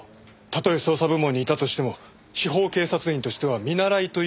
たとえ捜査部門にいたとしても司法警察員としては見習いという身分だ。